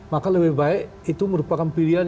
maka lebih baik itu merupakan pilihan